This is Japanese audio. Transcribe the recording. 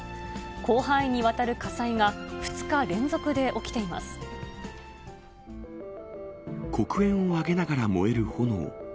広範囲にわたる火災が２日連続で黒煙を上げながら燃える炎。